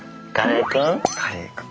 カレーくん。